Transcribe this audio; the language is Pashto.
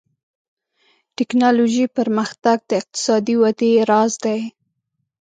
ټکنالوژي پرمختګ د اقتصادي ودې راز دی.